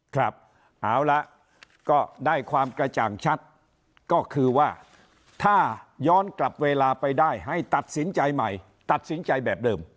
ครับเอาละก็ได้ความกระจ่างชัดก็คือว่าถ้าย้อนกลับเวลาไปได้ให้ตัดสินใจใหม่ตัดสินใจแบบเดิม